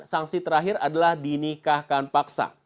sanksi terakhir adalah dinikahkan paksa